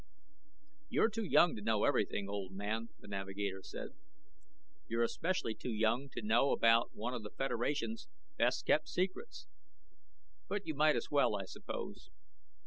"You're too young to know everything, old man," the navigator said. "You're especially too young to know about one of the Federation's best kept secrets. But you might as well, I suppose.